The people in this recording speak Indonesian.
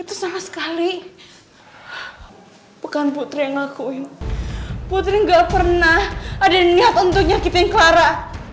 itu sama sekali bukan putri yang ngelakuin putri enggak pernah ada niat untuk nyakitin clara